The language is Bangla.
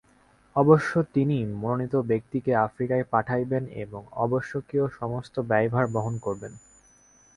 অবশ্য তিনিই মনোনীত ব্যক্তিকে আফ্রিকায় পাঠাইবেন এবং আবশ্যকীয় সমস্ত ব্যয়ভার বহন করিবেন।